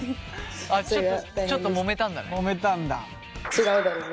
ちょっともめたんだね。